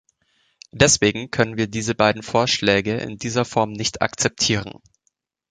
Deswegen können wir diese beiden Vorschläge in dieser Form nicht akzeptieren.